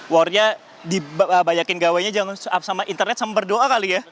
worthnya dibanyakin gawe nya jangan sama internet sama berdoa kali ya